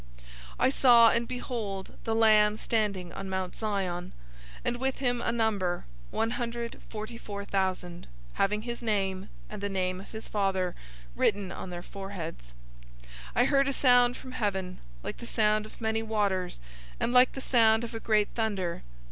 014:001 I saw, and behold, the Lamb standing on Mount Zion, and with him a number, one hundred forty four thousand, having his name, and the name of his Father, written on their foreheads. 014:002 I heard a sound from heaven, like the sound of many waters, and like the sound of a great thunder.